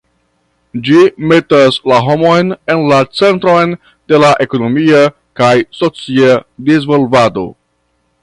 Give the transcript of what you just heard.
Ĝi metas la homon en la centron de la ekonomia kaj socia disvolvado.